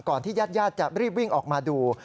ก่อนที่ญาติจะรีบวิ่งออกมาดู